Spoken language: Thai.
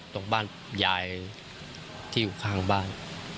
ตรงบ้านยายที่อยู่ข้างบ้าน